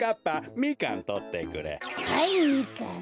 はいみかん。